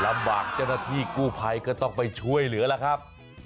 ลำบากเจ้าหน้าที่กู้ไพก็ต้องไปช่วยเหลือละครับ